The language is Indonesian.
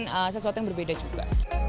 terus bisa nyobain sesuatu yang berbeda juga